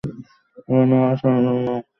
বিভিন্ন মওসূমে তার জন্য পশু বলি দিত।